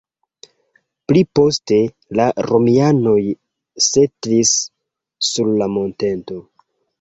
Pli poste la romianoj setlis sur la monteto.